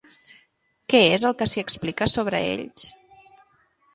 Què és el que s'hi explica sobre ells?